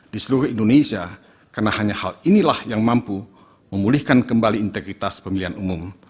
di seluruh indonesia karena hanya hal inilah yang mampu memulihkan kembali integritas pemilihan umum